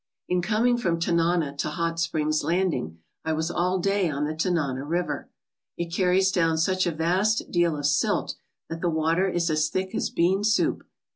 In coming from Tanana to Hot Springs Landing I was all day on the Tanana River. It carries down such a vast deal of silt that the water is as thick as bean soup.